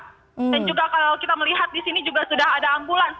dan juga kalau kita melihat di sini juga sudah ada ambulans